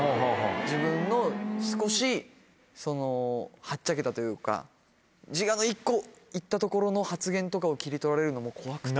自分の少しはっちゃけたというか自我の１個いったところの発言とかを切り取られるのも怖くて。